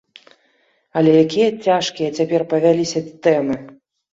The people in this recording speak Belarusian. Але якія цяжкія цяпер павяліся тэмы!